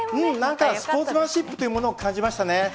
うん何かスポーツマンシップというものを感じましたね。